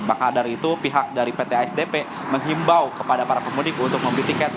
maka dari itu pihak dari pt asdp menghimbau kepada para pemudik untuk membeli tiket